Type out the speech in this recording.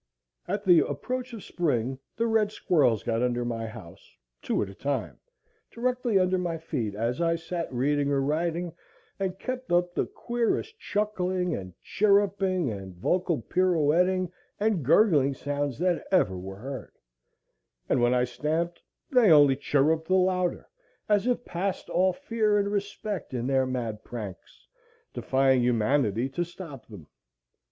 At the approach of spring the red squirrels got under my house, two at a time, directly under my feet as I sat reading or writing, and kept up the queerest chuckling and chirruping and vocal pirouetting and gurgling sounds that ever were heard; and when I stamped they only chirruped the louder, as if past all fear and respect in their mad pranks, defying humanity to stop them.